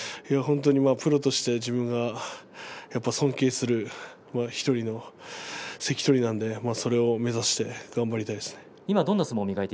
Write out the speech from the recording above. プロとして自分が尊敬する１人の関取なのでそれを目指して頑張りたいです。